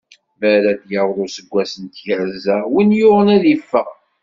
Mi ara d-yaweḍ useggas n tyerza, win yuɣen ad iffeɣ.